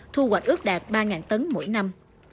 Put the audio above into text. thu hoạch ước đạt ba tấn mỗi năm